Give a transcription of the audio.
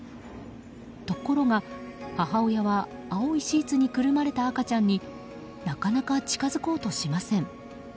ところが母親は青いシーツにくるまれた赤ちゃんになかなか近づこうとしません。